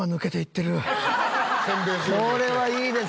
これはいいです